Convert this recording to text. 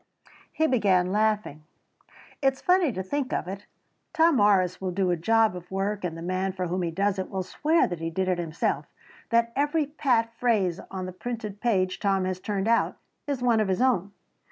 He began laughing. "It is funny to think of it. Tom Morris will do a job of work and the man for whom he does it will swear that he did it himself, that every pat phrase on the printed page Tom has turned out, is one of his own.